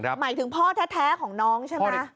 หมายถึงพ่อแท้ของน้องใช่ไหม